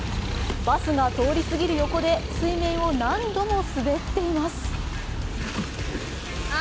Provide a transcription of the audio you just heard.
バスが通り過ぎる横で水面を何度も滑っています。